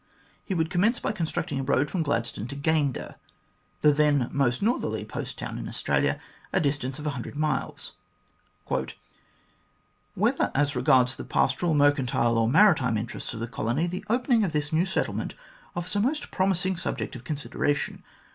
He would commence by constructing a road from Gladstone to Gayndah, the then most northerly post town in Australia, a distance of a hundred miles. "Whether as regards the pastoral, mercantile, or maritime interests of the colony, the opening of this new settlement offers a most promising subject of consideration.